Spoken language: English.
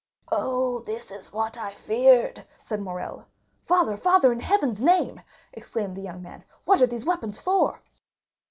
"Oh, this is what I feared!" said Morrel. "Father, father, in Heaven's name," exclaimed the young man, "what are these weapons for?"